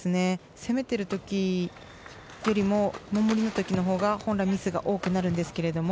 攻めている時よりも守りの時のほうが、本来ミスが多くなるんですけれども。